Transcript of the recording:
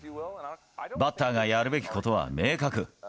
バッターがやるべきことは明確。